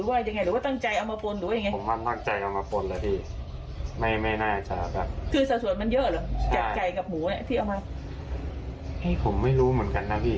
แล้วตอนนี้ในแผนหน้าที่ของเราเองก็เป็นคนซื้อจากเขามาอีกทีเลยเราดำเนินการยังไง